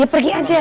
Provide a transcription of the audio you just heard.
ya pergi aja